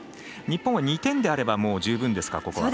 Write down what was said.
日本は、２点であれば十分ですか。